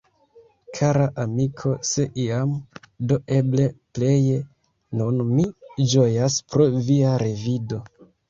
"Kara amiko, se iam, do eble pleje nun mi ĝojas pro via revido!